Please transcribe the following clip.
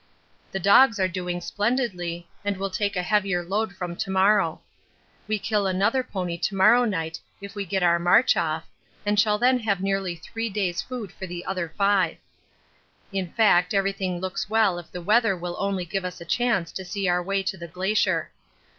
The dogs are doing splendidly and will take a heavier load from to morrow. We kill another pony to morrow night if we get our march off, and shall then have nearly three days' food for the other five. In fact everything looks well if the weather will only give us a chance to see our way to the Glacier.